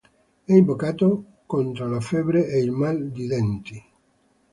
È invocato contro la febbre e il mal di denti.